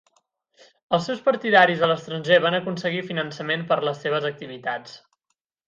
Els seus partidaris a l'estranger van aconseguir finançament per a les seves activitats.